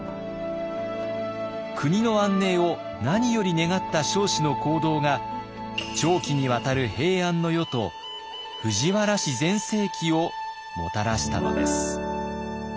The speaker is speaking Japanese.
国の安寧を何より願った彰子の行動が長期にわたる平安の世と藤原氏全盛期をもたらしたのです。